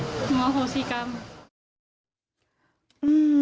โทษอธิกรรม